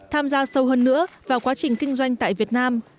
tham gia sâu hơn nữa vào quá trình kinh doanh tại việt nam